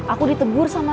aku ditebur sama rosa